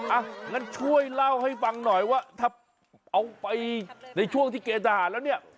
อ่ะงั้นช่วยเล่าให้ฟังหน่อยว่าถ้าเอาไปในช่วงที่เกณฑ์ทหารแล้วเนี่ย